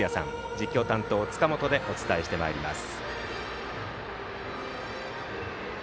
実況担当、塚本でお伝えしてまいります。